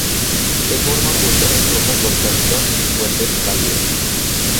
Se forma junto a las rocas volcánicas y fuentes cálidas.